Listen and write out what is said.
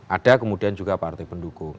ada kemudian juga partai pendukung